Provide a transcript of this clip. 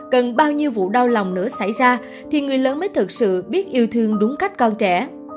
cần bao nhiêu vụ đau lòng nữa xảy ra thì người lớn mới thực sự biết yêu thương đúng cách con trẻ